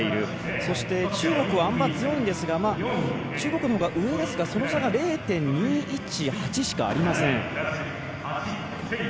そして中国はあん馬強いんですが中国のほうが上ですがその差が０．２１８しかありません。